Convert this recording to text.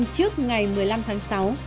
trước ngày một mươi năm tháng sáu